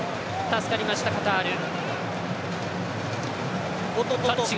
助かりました、カタール。